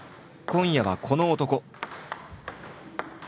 今夜はこの男。